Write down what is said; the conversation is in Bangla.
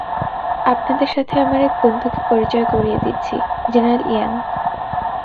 আপনাদের সাথে আমার এক বন্ধুকে পরিচয় করিয়ে দিচ্ছি, জেনারেল ইয়াং!